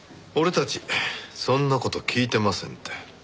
俺たちそんな事聞いてませんって。